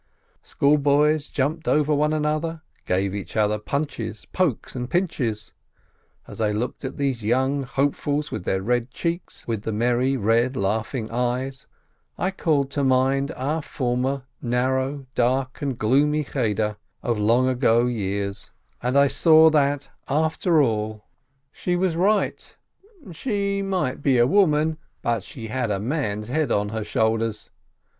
School boys jumped over one another, gave each other punches, pokes, and pinches. As I looked at these young hope fuls with the red cheeks, with the merry, laughing eyes, I called to mind our former narrow, dark, and gloomy Cheder of long ago years, and I saw that after all she 12 174 SHOLOM ALECHEM was right; she might be a woman, but she had a man's head on her shoulders!